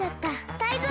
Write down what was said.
タイゾウ！